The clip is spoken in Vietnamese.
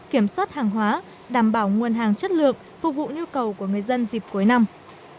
kiểm soát hàng hóa đảm bảo nguồn hàng chất lượng phục vụ nhu cầu của người dân dịp cuối năm